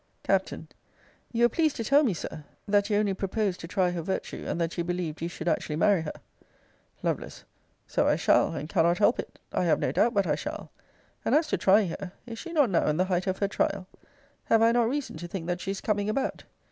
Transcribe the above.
Capt. You were pleased to tell me, Sir, that you only proposed to try her virtue; and that you believed you should actually marry her. Lovel. So I shall, and cannot help it. I have no doubt but I shall. And as to trying her, is she not now in the height of her trial? Have I not reason to think that she is coming about?